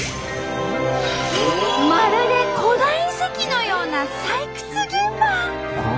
まるで古代遺跡のような採掘現場！